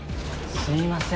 すみません。